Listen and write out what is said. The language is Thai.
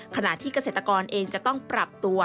ขณะที่เกษตรกรเองจะต้องปรับตัว